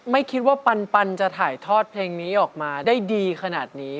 ไม่คิดว่าปันจะถ่ายทอดเพลงนี้ออกมาได้ดีขนาดนี้